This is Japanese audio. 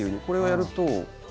これをやると。